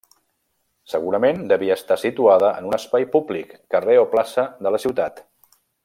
Segurament devia estar situada en un espai públic, carrer o plaça, de la ciutat.